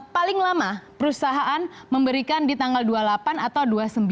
paling lama perusahaan memberikan di tanggal dua puluh delapan atau dua puluh sembilan